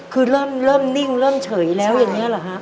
คือเริ่มนิ่งเริ่มเฉยแล้วอย่างนี้เหรอฮะ